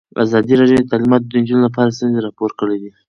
ازادي راډیو د تعلیمات د نجونو لپاره ستونزې راپور کړي.